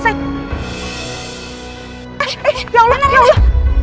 eh eh ya allah ya allah